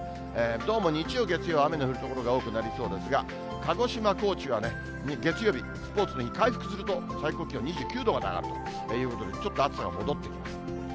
どうも日曜、月曜、雨の降る所が多くなりそうですが、鹿児島、高知はね、月曜日スポーツの日、回復すると、最高気温２９度まで上がってくるということで、ちょっと暑さが戻ってきます。